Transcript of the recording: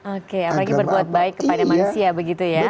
oke apalagi berbuat baik kepada manusia begitu ya